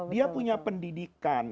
dia punya pendidikan